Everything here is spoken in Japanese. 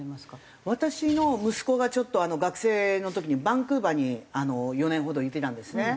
私の息子がちょっと学生の時にバンクーバーに４年ほど行ってたんですね。